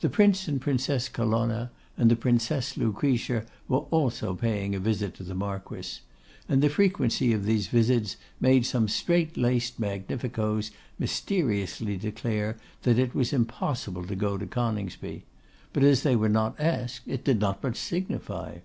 The Prince and Princess Colonna and the Princess Lucretia were also paying a visit to the Marquess; and the frequency of these visits made some straight laced magnificoes mysteriously declare it was impossible to go to Coningsby; but as they were not asked, it did not much signify.